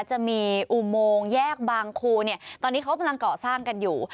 จะมีอุโมงแยกบางครูเนี่ยตอนนี้เขากำลังเกาะสร้างกันอยู่